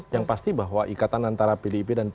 yang pasti bahwa ikatan antara pdip dan p tiga